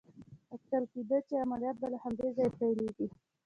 اټکل کېده چې عملیات به له همدې ځایه پيلېږي.